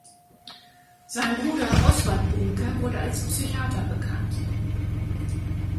Sein Bruder Oswald Bumke wurde als Psychiater bekannt.